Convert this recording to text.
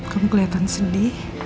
kamu keliatan sedih